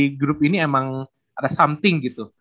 di grup ini emang ada something gitu